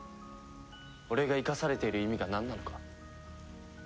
俺が生かされている意味がなんなのか。